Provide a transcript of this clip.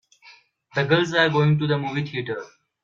The girls are going to the movie theater.